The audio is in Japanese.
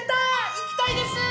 行きたいです！